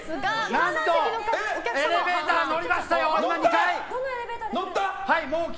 何とエレベーター乗りましたよ！